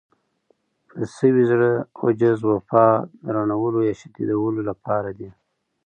د سوي زړه، عجز، وفا د رڼولو يا شديدولو لپاره دي.